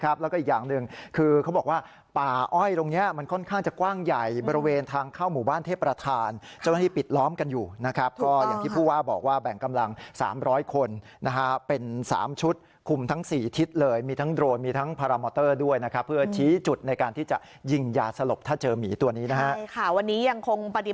แล้วก็อีกอย่างหนึ่งคือเขาบอกว่าป่าอ้อยตรงเนี้ยมันค่อนข้างจะกว้างใหญ่บริเวณทางเข้าหมู่บ้านเทพประธานเจ้าหน้าที่ปิดล้อมกันอยู่นะครับก็อย่างที่ผู้ว่าบอกว่าแบ่งกำลัง๓๐๐คนนะฮะเป็น๓ชุดคุมทั้ง๔ทิศเลยมีทั้งโรนมีทั้งพารามอเตอร์ด้วยนะครับเพื่อชี้จุดในการที่จะยิงยาสลบถ้าเจอหมีตัวนี้นะฮะใช่ค่ะวันนี้ยังคงปฏิ